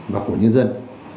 và của nhân dân